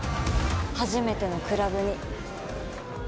初めてのクラブに。